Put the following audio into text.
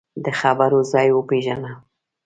د خبرو ځای وپېژنه